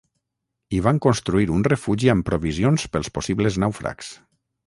Hi van construir un refugi amb provisions pels possibles nàufrags.